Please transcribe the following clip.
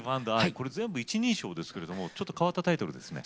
これ全部一人称ですけれどもちょっと変わったタイトルですね。